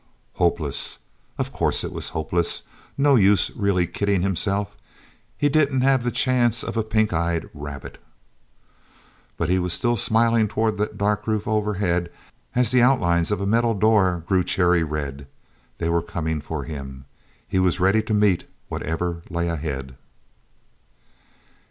Hopeless? Of course it was hopeless. No use of really kidding himself—he didn't have the chance of a pink eyed rabbit. But he was still smiling toward that dark roof overhead as the outlines of a metal door grew cherry red. They were coming for him! He was ready to meet whatever lay ahead....